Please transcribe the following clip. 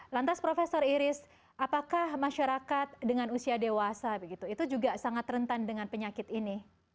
lantas profesor iris apakah masyarakat dengan usia dewasa begitu itu juga sangat rentan dengan penyakit ini